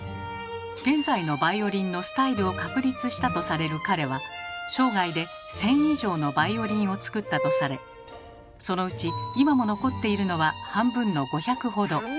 現在のバイオリンのスタイルを確立したとされる彼は生涯で１，０００以上のバイオリンを作ったとされそのうち今も残っているのは半分の５００ほど。